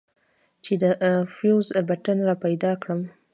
چې د فيوز بټن راپيدا کړم.